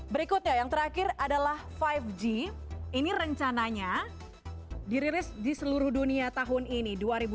berikutnya yang terakhir adalah lima g ini rencananya dirilis di seluruh dunia tahun ini